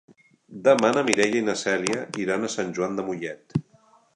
Demà na Mireia i na Cèlia iran a Sant Joan de Mollet.